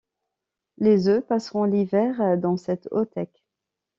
Le œufs passeront l'hiver dans cette oothéque.